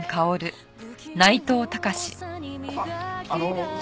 あっあの。